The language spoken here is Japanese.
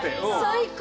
最高！